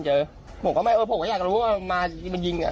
เพราะผมเจอผมก็ไม่เออใครอยากรู้ว่ามามา้มายิงดิ